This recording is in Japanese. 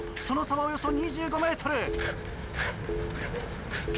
その差はおよそ２５ｍ。